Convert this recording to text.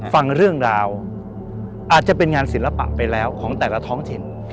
ฟังเรื่องราวอาจจะเป็นงานศิลปะไปแล้วของแต่ละท้องถิ่น